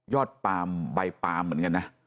ยอดปามใบปาล์มเหมือนกันนะ